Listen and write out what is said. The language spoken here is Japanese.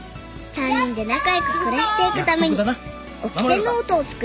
［３人で仲良く暮らしていくためにおきてノートを作りました］